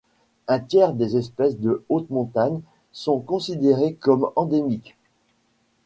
Un tiers des espèces de haute montagne sont considérées comme endémiques.